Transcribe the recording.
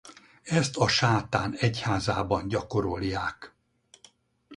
Ezt A Sátán Egyházában gyakorolják.